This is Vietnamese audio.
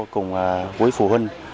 cùng quý phụ huynh